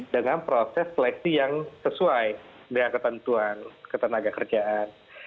dengan proses seleksi yang sesuai dengan ketentuan ketenaga kerjaan